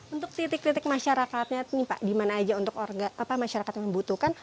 untuk titik titik masyarakatnya nih pak di mana aja untuk masyarakat yang membutuhkan